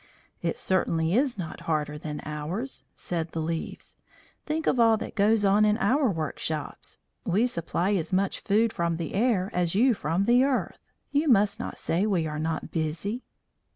"It certainly is not harder than ours," said the leaves. "Think of all that goes on in our workshops. We supply as much food from the air as you from the earth. You must not say we are not busy."